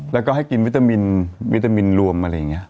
แล้วก็ให้กินวิตามินวิตามินรวมอะไรอย่างนี้